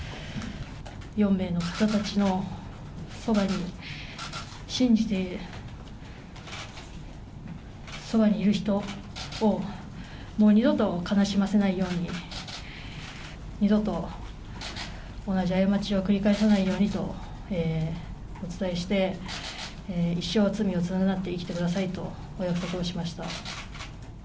４名の方たちのそばに、信じている人を、もう二度と悲しませないように、二度と同じ過ちを繰り返さないようにとお伝えして、一生罪を償って生きてくださいと、お約束をしました。